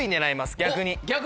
逆に。